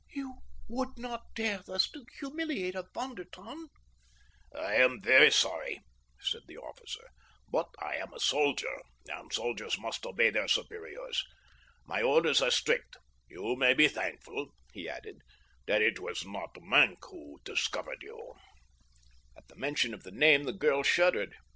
"You would not dare thus to humiliate a Von der Tann?" "I am very sorry," said the officer, "but I am a soldier, and soldiers must obey their superiors. My orders are strict. You may be thankful," he added, "that it was not Maenck who discovered you." At the mention of the name the girl shuddered.